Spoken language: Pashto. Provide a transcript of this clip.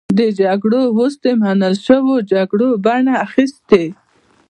دې جګړو اوس د منل شویو جګړو بڼه اخیستې.